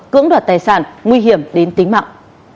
cưỡng đoạt tài sản nguy hiểm đến tính mạng